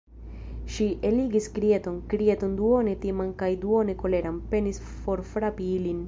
Ŝi eligis krieton, krieton duone timan kaj duone koleran, penis forfrapi ilin.